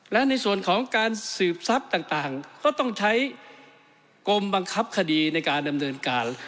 และในส่วนของการสืบทรัพย์ต่างก็ต้องใช้กรมบังคับคดีในการดำเนินการ